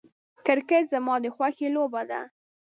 کرکټ زما د خوښې لوبه ده .